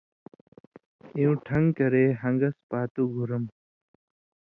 اېوں ٹھن٘گ کرے ہن٘گس پاتُو گُھرم۔